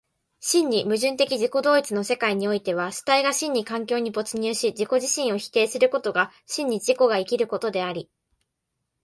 真に矛盾的自己同一の世界においては、主体が真に環境に没入し自己自身を否定することが真に自己が生きることであり、